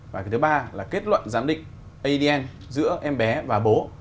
và cái thứ ba là kết luận giám định adn giữa em bé và bố